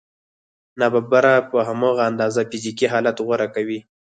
ناببره په هماغه اندازه فزیکي حالت غوره کوي